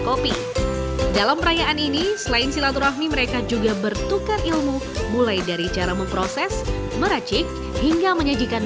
kini dia tidak hanya sebagai penikmat kopi tapi juga barista di salah satu kafe di kota malang